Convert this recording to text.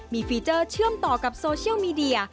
มีฟีเจอร์เชื่อมต่อกับโซเชียลมีเดีย